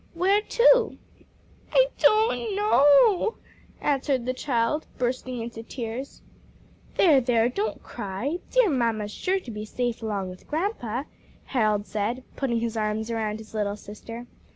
"Where to?" "I don't know," answered the child, bursting into tears. "There, there, don't cry; dear mamma's sure to be safe along with grandpa," Harold said, putting his arms around his little sister.